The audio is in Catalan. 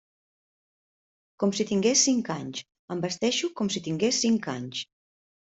Com si tingués cinc anys, em vesteixo com si tingués cinc anys.